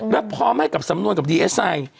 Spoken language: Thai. และพร้อมให้กับสำนวนกับดีเอสไอ